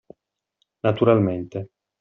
Naturalmente.